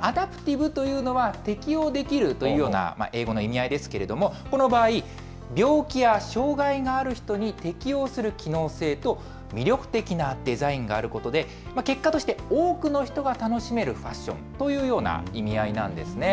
アダプティブというのは、適応できるというような英語の意味合いですけれども、この場合、病気や障害がある人に適応する機能性と魅力的なデザインがあることで、結果として多くの人が楽しめるファッションというような意味合いなんですね。